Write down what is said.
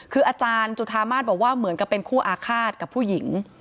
คืออาจารย์จุธามาศบอกว่าเหมือนกับเป็นคู่อาฆาตกับผู้หญิง